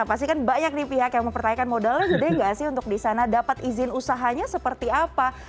pasti kan banyak nih pihak yang mempertanyakan modalnya gede nggak sih untuk di sana dapat izin usahanya seperti apa